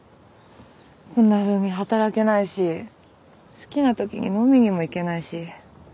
こんなふうに働けないし好きな時に飲みにも行けないし。